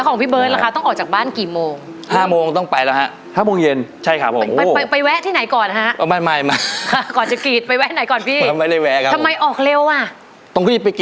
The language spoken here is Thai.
คิดว่าจะทำได้เนี่ย